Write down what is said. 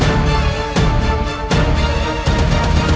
tidak ada kesalahan